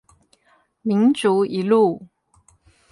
民族一路